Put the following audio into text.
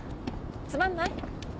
つまんない？